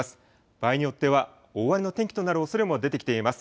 場合によっては大荒れの天気となるおそれも出てきています。